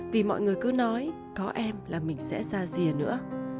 vì mọi người cứ nói có em là mình sẽ ra rìa nữa